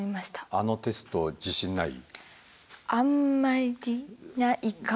あのテスト自信ない？